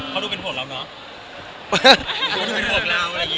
เขาดูเป็นห่วงเราเนอะ